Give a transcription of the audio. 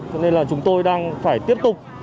cho nên là chúng tôi đang phải tiếp tục